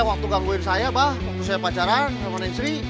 waktu saya pacaran sama nesri